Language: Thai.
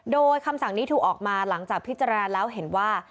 โดยคำสั่งนี้ถูกออกมาหลังจากพิจารณาแล้วเห็นว่า